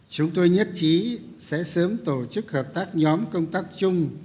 chúng tôi nhất trí sẽ sớm tổ chức hợp tác nhóm công tác chung